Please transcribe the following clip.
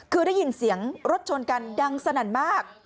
คือได้ยินเสียงรถชนกันดังสนั่นมาก